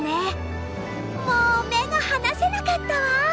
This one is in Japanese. もう目が離せなかったわ。